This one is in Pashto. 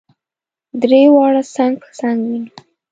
درې واړه څنګ په څنګ وینو.